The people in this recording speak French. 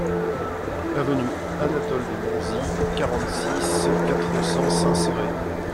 Avenue Anatole-de-Monzie, quarante-six, quatre cents Saint-Céré